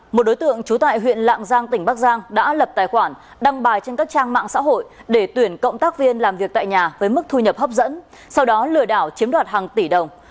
một đối tượng trú tại huyện lạng giang tỉnh bắc giang đã lập tài khoản đăng bài trên các trang mạng xã hội để tuyển cộng tác viên làm việc tại nhà với mức thu nhập hấp dẫn sau đó lừa đảo chiếm đoạt hàng tỷ đồng